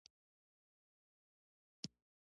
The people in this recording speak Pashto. هلته لیرې د سارا غیږ د بوډۍ ټال